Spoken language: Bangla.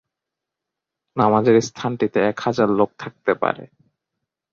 নামাজের স্থানটিতে এক হাজার লোক থাকতে পারে।